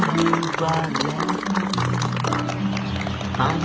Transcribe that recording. ดีจริงดีจริง